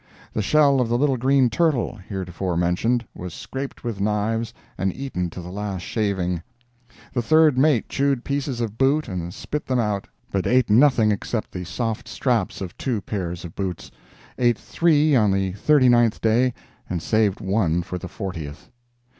The shell of the little green turtle, heretofore mentioned, was scraped with knives and eaten to the last shaving. The third mate chewed pieces of boots and spit them out, but ate nothing except the soft straps of two pairs of boots—eat three on the thirty ninth day and saved one for the fortieth.